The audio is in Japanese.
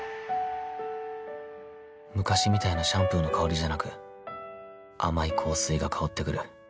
昔みたいなシャンプーの香りじゃなく甘い香水が香ってくる